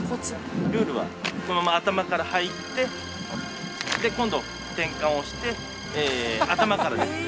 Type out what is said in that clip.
ルールは、この頭から入って、今度、転換をして、頭から。